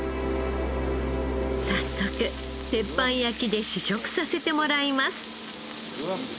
早速鉄板焼きで試食させてもらいます。